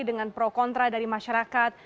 dengan pro kontra dari masyarakat